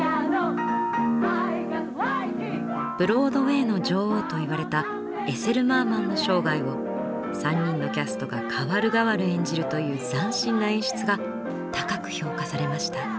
「ブロードウェイの女王」といわれたエセル・マーマンの生涯を３人のキャストが代わる代わる演じるという斬新な演出が高く評価されました。